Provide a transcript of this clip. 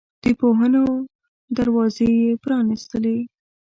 د پوهنو دروازې یې پرانستلې.